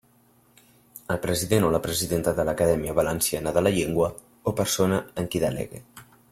El president o la presidenta de l'Acadèmia Valenciana de la Llengua o persona en qui delegue.